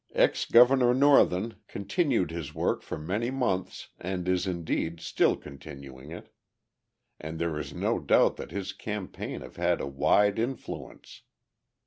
Ex Governor Northen continued his work for many months and is indeed, still continuing it: and there is no doubt that his campaigns have had a wide influence.